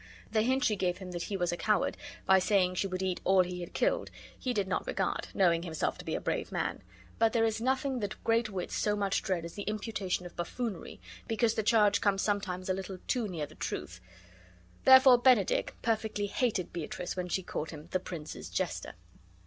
The hint she gave him that he was a coward, by saying she would eat all he bad killed, he did not regard, knowing himself to be a brave man; but there is nothing that great wits so much dread as the imputation of buffoonery, because the charge comes sometimes a little too near the truth; therefore Benedick perfectly hated Beatrice when she called him "the prince's jester."